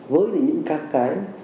với những các cái